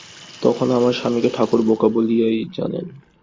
তখন আমার স্বামীকে ঠাকুর বোকা বলিয়াই জানিতেন।